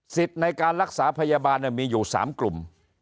ในการรักษาพยาบาลมีอยู่๓กลุ่ม